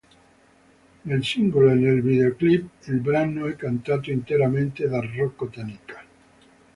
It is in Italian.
Nel singolo e nel videoclip, il brano è cantato interamente da Rocco Tanica.